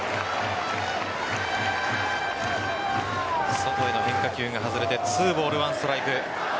外への変化球が外れて２ボール１ストライク。